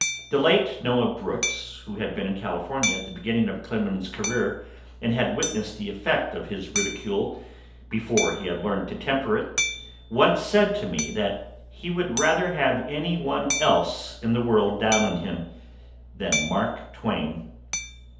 The late Noah Brooks, who had been in California at the beginning of Clemens's career, and had witnessed the effect of his ridicule before he had learned to temper it, once said to me that he would rather have any one else in the world down on him than Mark Twain.